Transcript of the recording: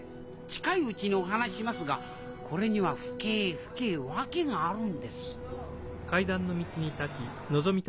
近いうちにお話ししますがこれには深え深え訳があるんですうん！